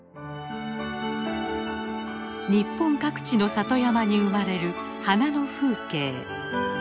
日本各地の里山に生まれる花の風景。